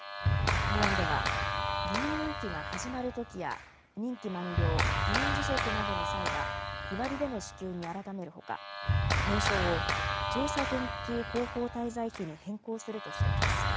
法案では議員任期が始まるときや任期満了、議員辞職などの際は日割りでの支給に改めるほか名称を調査研究広報滞在費に変更するとしています。